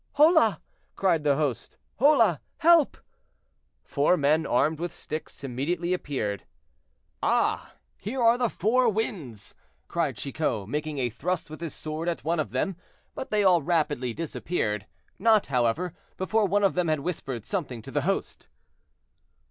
"Hola!" cried the host; "hola! help!" Four men armed with sticks immediately appeared. "Ah! here are the four winds," cried Chicot, making a thrust with his sword at one of them; but they all rapidly disappeared, not, however, before one of them had whispered something to the host.